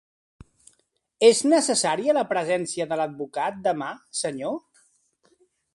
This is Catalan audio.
És necessària la presència de l'advocat demà, senyor?